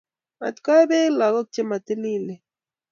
Mataee lagook beek chematililen